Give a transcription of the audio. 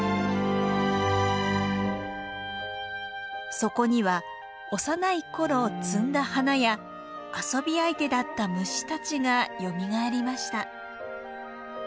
そこには幼い頃摘んだ花や遊び相手だった虫たちがよみがえりました。